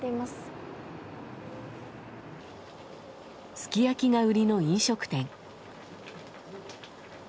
すき焼きが売りの飲食店。